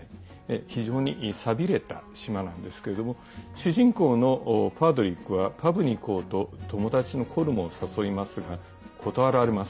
非常にさびれた島なんですけども主人公のパードリックはパブに行こうと友達のコルムを誘いますが断られます。